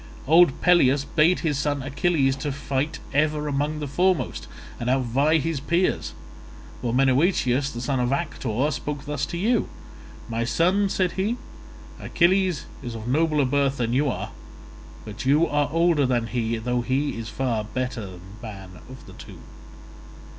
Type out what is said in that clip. Old Peleus bade his son Achilles fight ever among the foremost and outvie his peers, while Menoetius the son of Actor spoke thus to you: 'My son,' said he, 'Achilles is of nobler birth than you are, but you are older than he, though he is far the better man of the two.